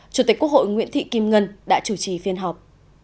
chủ tịch quốc hội nguyễn thị kim ngân đã chủ trì phiên họp